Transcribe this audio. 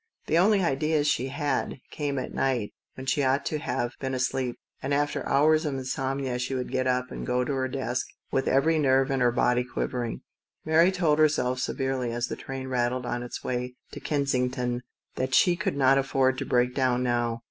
The only ideas she had came at night, when she ought to have been asleep, and after hours of insomnia she would get up and go to her desk with every nerve in her body quivering. Mary told herself severely, as the train rattled on its way to Kensington, that she could not afford to break down now.